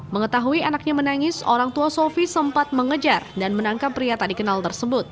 mengetahui anaknya menangis orang tua sofi sempat mengejar dan menangkap pria tak dikenal tersebut